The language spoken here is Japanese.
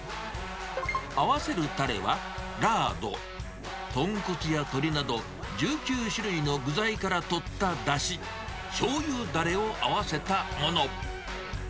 合わせるタレは、ラード、豚骨や鶏など１９種類の具材から取っただし、しょうゆダレを合わせたもの。